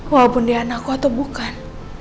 walaupun dia anakku atau bukan